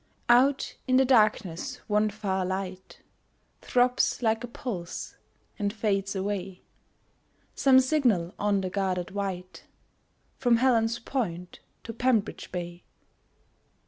Out in the darkness one far light Throbs like a pulse, and fades away Some signal on the guarded Wight, From Helen's Point to Bembridge Bay.